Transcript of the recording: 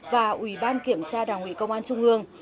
và ủy ban kiểm tra đảng ủy công an trung ương